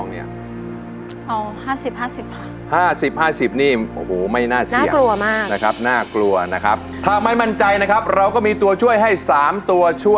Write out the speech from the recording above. ๕๐๕๐นี่โอ้โหไม่น่าเสียนะครับน่ากลัวนะครับถามไม่มั่นใจนะครับเราก็มีตัวช่วยให้สามตัว